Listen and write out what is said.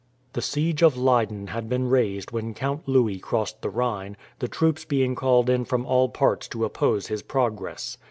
The siege of Leyden had been raised when Count Louis crossed the Rhine, the troops being called in from all parts to oppose his progress.